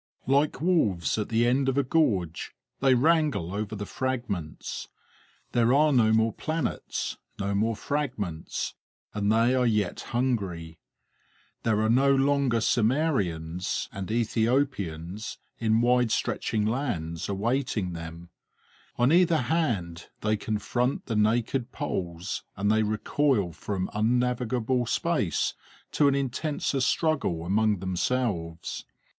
Like wolves at the end of a gorge, they wrangle over the fragments. There are no more planets, no more fragments, and they are yet hungry. There are no longer Cimmerians and Ethiopians, in wide stretching lands, awaiting them. On either hand they confront the naked poles, and they recoil from unnavigable space to an intenser struggle among themselves.